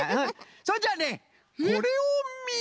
それじゃあねこれをみよ！